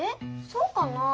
そうかな。